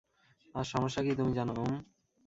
আর সমস্যা কি তুমি জানো, ওম?